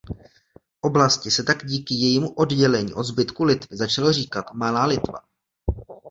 Oblasti se tak díky jejímu oddělení od zbytku Litvy začalo říkat Malá Litva.